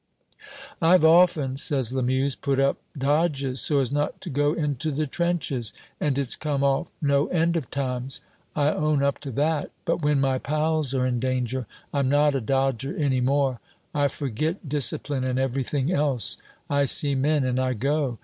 "I've often," says Lamuse, "put up dodges so as not to go into the trenches, and it's come off no end of times. I own up to that. But when my pals are in danger, I'm not a dodger any more. I forget discipline and everything else. I see men, and I go.